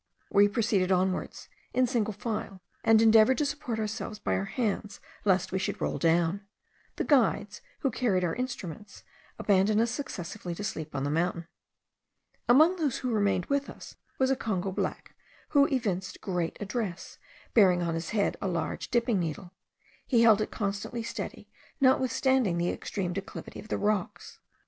We proceeded onwards, in single file, and endeavoured to support ourselves by our hands, lest we should roll down. The guides, who carried our instruments, abandoned us successively, to sleep on the mountain. Among those who remained with us was a Congo black, who evinced great address, bearing on his head a large dipping needle: he held it constantly steady, notwithstanding the extreme declivity of the rocks.